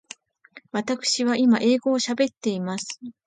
わたくしは今英語を喋っています。